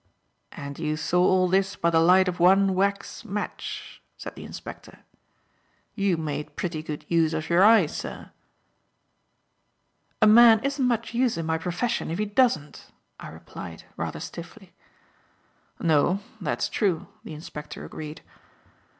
"And you saw all this by the light of one wax match," said the inspector. "You made pretty good use of your eyes, sir." "A man isn't much use in my profession if he doesn't," I replied, rather stiffly. "No, that's true," the inspector agreed.